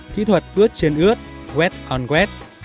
một kỹ thuật ướt trên ướt wet on wet